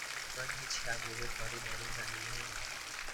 من هیچ تجربه کاری در این زمینه ندارم.